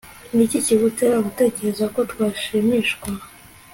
Niki kigutera gutekereza ko twashimishwa